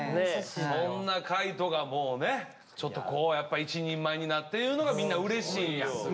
そんな海人がもうねちょっと一人前になっていうのがみんなうれしいんや。